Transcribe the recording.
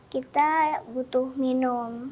kita butuh minum